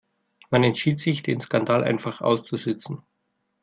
Man entschied sich, den Skandal einfach auszusitzen.